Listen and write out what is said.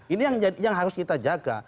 ini yang harus kita jaga